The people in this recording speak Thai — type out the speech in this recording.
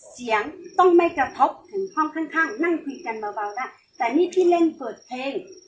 เสียงต้องไม่กระทบถึงห้องข้างข้างนั่งคุยกันเบาแล้วแต่นี่พี่เล่นเปิดเพลง